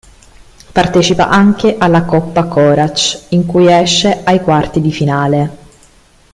Partecipa anche alla Coppa Korać, in cui esce ai quarti di finale.